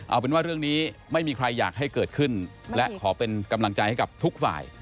เอาเป็นว่าเรื่องนี้ไม่มีใครอยากให้เกิดขึ้นและขอเป็นกำลังใจให้กับทุกฝ่าย